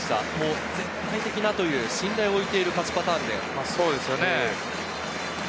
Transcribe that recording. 絶対的な信頼を置いている勝ちパターンです。